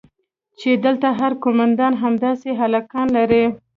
چې دلته هر قومندان همداسې هلکان لري.